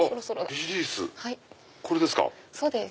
これですか。